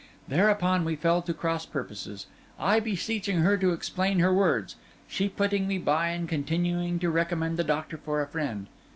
Thereupon we fell to cross purposes: I beseeching her to explain her words; she putting me by, and continuing to recommend the doctor for a friend.